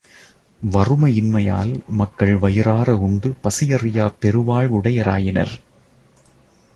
வறுமை இன்மையால், மக்கள் வயிறார உண்டு பசியறியாப் பெருவாழ்வுடையராயினர்.